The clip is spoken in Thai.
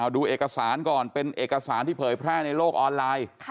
ดูเอกสารก่อนเป็นเอกสารที่เผยแพร่ในโลกออนไลน์